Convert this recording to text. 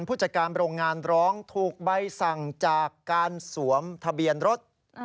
ผู้จัดการโรงงานร้องถูกใบสั่งจากการสวมทะเบียนรถ